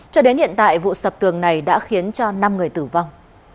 cho đến hiện tại vụ sập tường này đã khiến cho năm người tử vong